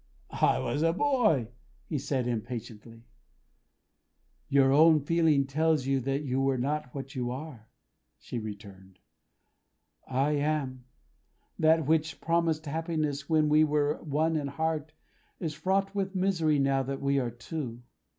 "I was a boy," he said impatiently. "Your own feeling tells you that you were not what you are," she returned. "I am. That which promised happiness when we were one in heart, is fraught with misery now that we are two.